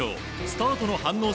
スタートの反応